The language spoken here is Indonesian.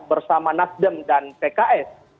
bersama nasdem dan pekin